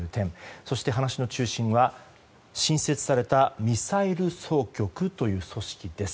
そして話の中心は、新設されたミサイル総局という組織です。